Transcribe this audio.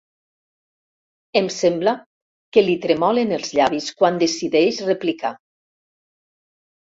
Em sembla que li tremolen els llavis quan decideix replicar.